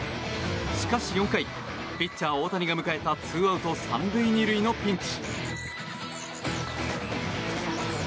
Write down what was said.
しかし４回ピッチャー大谷が迎えたツーアウト３塁２塁のピンチ。